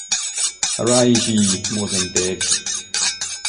Arise ye more than dead!